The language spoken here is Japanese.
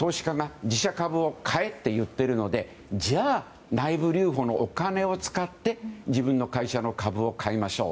とにかく投資家が自社株を買えといっているのでじゃあ、内部留保のお金を使って自分の会社の株を買いましょう。